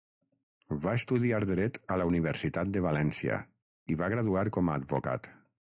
Va estudiar dret a la Universitat de València, i va graduar com a advocat.